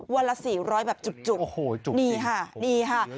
วันละ๔๐๐แบบจุดนี่ฮะ